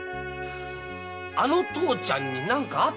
あの父ちゃんに何かあった！